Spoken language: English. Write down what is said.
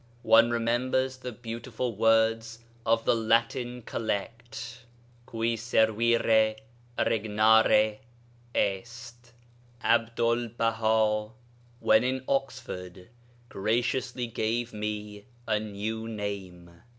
One remembers the beautiful words of the Latin collect, 'Cui servire regnare est.' Abdu'l Baha (when in Oxford) graciously gave me a 'new name.'